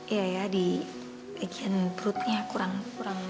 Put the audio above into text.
iya ya di bagian perutnya kurang